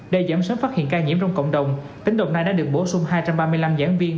để giảm sớm phát hiện ca nhiễm trong cộng đồng tỉnh đồng nai đã được bổ sung hai trăm ba mươi năm giảng viên